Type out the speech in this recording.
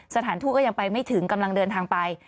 สถานทูตก็ยังไปไม่ถึงกำลังเดินทางไป